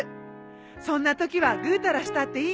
そんなときはぐうたらしたっていいのよ。